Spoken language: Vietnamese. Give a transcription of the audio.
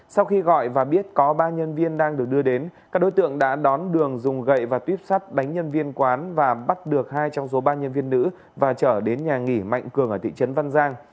sau khi gọi và biết có ba nhân viên đang được đưa đến các đối tượng đã đón đường dùng gậy và tuyếp sắt đánh nhân viên quán và bắt được hai trong số ba nhân viên nữ và trở đến nhà nghỉ mạnh cường ở thị trấn văn giang